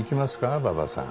馬場さん。